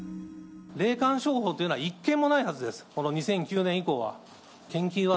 霊感商法というのは１件もないはずです、この２００９年以降は。